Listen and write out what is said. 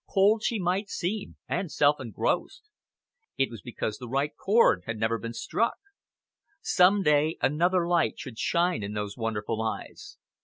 Cold she might seem, and self engrossed! It was because the right chord had never been struck. Some day another light should shine in those wonderful eyes.